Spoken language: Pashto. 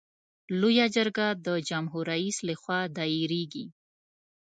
لویه جرګه د جمهور رئیس له خوا دایریږي.